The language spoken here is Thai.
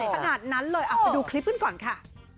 ขนาดนั้นเลยไปดูคลิปกันก่อนค่ะ